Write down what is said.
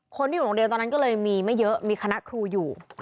คนที่อยู่โรงเรียนตอนนั้นก็เลยมีไม่เยอะมีคณะครูอยู่